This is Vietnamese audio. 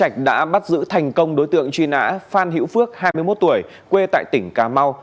huyện nhân trạch đã bắt giữ thành công đối tượng truy nã phan hữu phước hai mươi một tuổi quê tại tỉnh cà mau